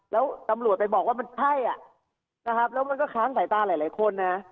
แล้วตำรวจไปบอกว่ามันใช่อ่ะนะครับแล้วมันก็ค้างสายตาหลายคนนะ